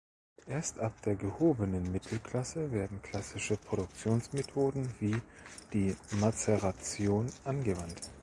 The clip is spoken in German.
Erst ab der gehobenen Mittelklasse werden klassische Produktionsmethoden wie die Mazeration angewandt.